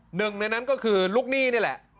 หนึ่งในนั้นก็คือลูกหนี้นี่แหละ